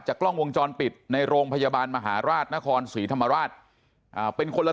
กล้องวงจรปิดในโรงพยาบาลมหาราชนครศรีธรรมราชเป็นคนละ